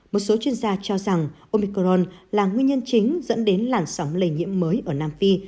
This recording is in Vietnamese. một số chuyên gia cho rằng omicron là nguyên nhân chính dẫn đến làn sóng lây nhiễm mới ở nam phi